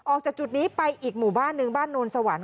ออกจากจุดนี้ไปอีกหมู่บ้านหนึ่งบ้านโนนสวรรค